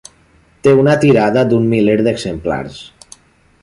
Té una tirada d'un miler d'exemplars.